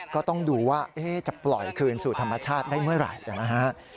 ก็ต้องดูว่าจะปล่อยคืนสู่ธรรมชาติได้เมื่อไหร่นะฮะ